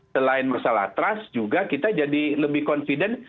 selain masalah trust juga kita jadi lebih confident